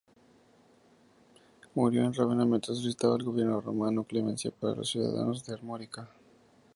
Murió en Rávena, mientras solicitaba al gobierno romano clemencia para los ciudadanos de Armórica.